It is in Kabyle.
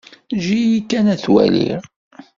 Eǧǧ-iyi kan ad t-waliɣ.